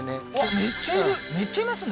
めっちゃ居ますね